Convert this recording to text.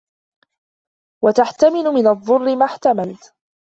وَتَحْتَمِلُ مِنْ الضُّرِّ مَا احْتَمَلَتْ